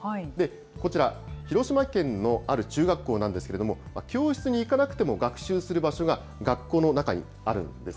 こちら、広島県のある中学校なんですけれども、教室に行かなくても学習する場所が学校の中にあるんです。